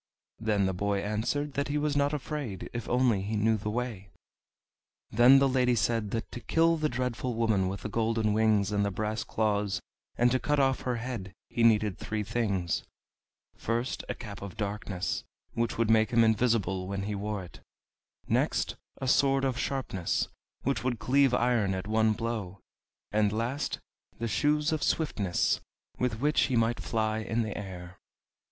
Then the boy answered that he was not afraid, if only he knew the way. Then the lady said that to kill the dreadful woman with the golden wings and the brass claws, and to cut off her head, he needed three things: first, a Cap of Darkness, which would make him invisible when he wore it; next, a Sword of Sharpness, which would cleave iron at one blow; and last, the Shoes of Swiftness, with which he might fly in the air.